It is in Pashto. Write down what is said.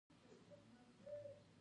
ډيپلوماسي د شخړو د حل لپاره حیاتي ده.